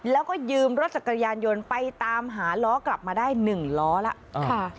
แล้วก็ยืมรถจักรยานยนต์ไปตามหาล้อกลับมาได้๑ล้อแล้ว